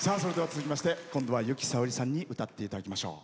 続きまして今度は由紀さおりさんに歌っていただきましょう。